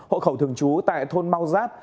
hộ khẩu thường chú tại thôn mau giáp